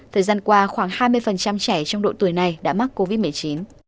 thời gian qua khoảng hai mươi trẻ trong độ tuổi này đã mắc covid một mươi chín